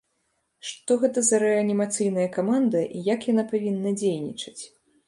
Што гэта за рэанімацыйная каманда і як яна павінна дзейнічаць?